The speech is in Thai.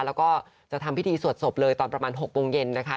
แล้วก็จะทำพิธีสวดศพเลยตอนประมาณ๖โมงเย็นนะคะ